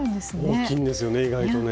大きいんですよね意外とね。